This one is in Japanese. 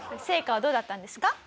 成果はどうだったんですか？